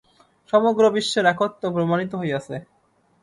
সমগ্র বিশ্বের একত্ব প্রমাণিত হইয়াছে।